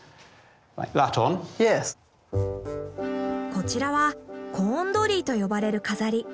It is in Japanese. こちらはコーンドリーと呼ばれる飾り。